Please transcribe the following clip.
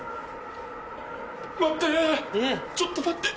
待って！